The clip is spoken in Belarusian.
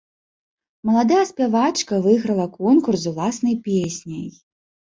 Маладая спявачка выйграла конкурс з уласнай песняй.